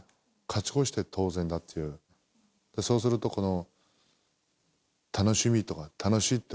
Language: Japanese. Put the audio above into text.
そうするとこの。